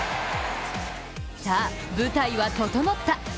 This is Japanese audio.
さあ、舞台は整った。